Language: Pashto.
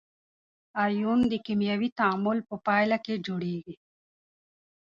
ایون د کیمیاوي تعامل په پایله کې جوړیږي.